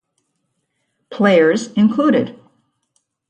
Players included